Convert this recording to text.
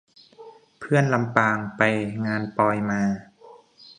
เพื่อน ลำปาง : ไปงานปอยมา